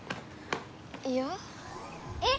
いやあ？えっ？